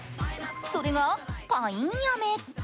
それがパインアメ。